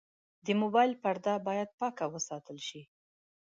د موبایل پرده باید پاکه وساتل شي.